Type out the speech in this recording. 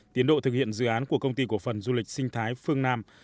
tiến độ thực hiện dự án của công ty cổ phần du lịch sinh thái phương nam